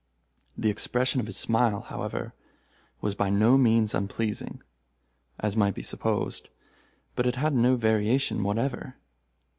The expression of his smile, however, was by no means unpleasing, as might be supposed; but it had no variation whatever.